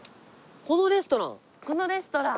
このレストラン？